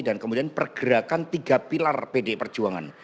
dan kemudian pergerakan tiga pilar pd perjuangan